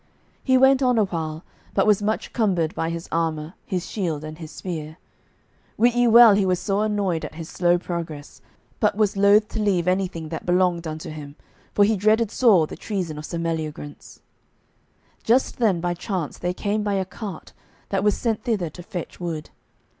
He went on a while, but was much cumbered by his armour, his shield, and his spear. Wit ye well he was sore annoyed at his slow progress, but was loath to leave anything that belonged unto him, for he dreaded sore the treason of Sir Meliagrance. Just then by chance there came by a cart, that was sent thither to fetch wood.